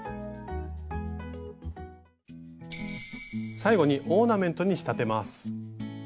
最後にオーナメントに仕立てます。